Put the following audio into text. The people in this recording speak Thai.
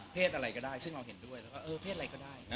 เพศอะไรก็ได้